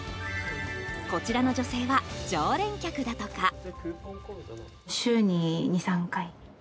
こちらの女性は常連客だとか。